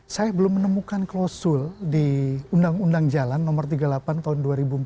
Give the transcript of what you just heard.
saya belum menemukan klausul di undang undang jalan nomor tiga puluh delapan tahun dua ribu empat belas